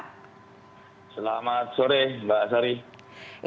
selamat sore mbak asari